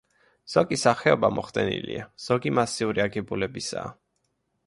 ზოგი სახეობა მოხდენილია, ზოგი მასიური აგებულებისაა.